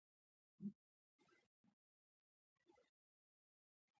د لرګي کار دقت غواړي.